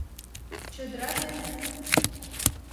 Чодыра дене.